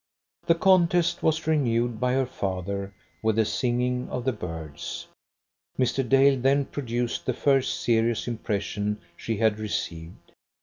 The contest was renewed by her father with the singing of the birds. Mr. Dale then produced the first serious impression she had received.